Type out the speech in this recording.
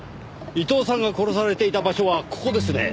伊藤さんが殺されていた場所はここですね。